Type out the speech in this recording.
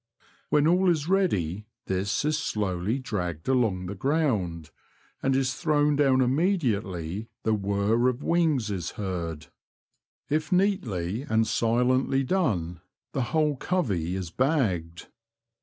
When all is ready this is slowly dragged along the ground, and is thrown down immediately the whirr of wings is heard. If neatly and silently done, the whole covey is bagged.